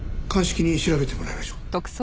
鑑識に調べてもらいましょう。